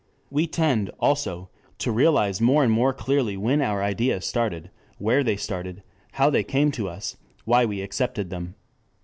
We tend, also, to realize more and more clearly when our ideas started, where they started, how they came to us, why we accepted them.